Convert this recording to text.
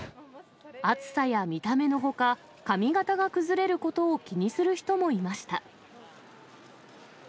暑さや見た目のほか、髪形が崩れることを気にする人もいました。